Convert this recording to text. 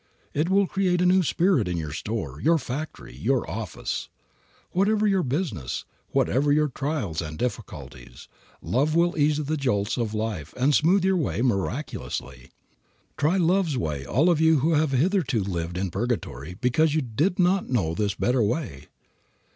It will create a new spirit in your store, your factory, your office. Whatever your business, whatever your trials and difficulties, love will ease the jolts of life and smooth your way miraculously. Try love's way all you who have hitherto lived in purgatory because you did not know this better way.